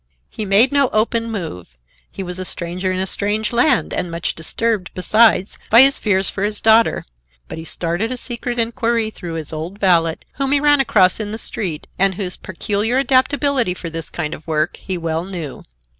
He made no open move—he was a stranger in a strange land and much disturbed, besides, by his fears for his daughter—but he started a secret inquiry through his old valet, whom he ran across in the street, and whose peculiar adaptability for this kind of work he well knew.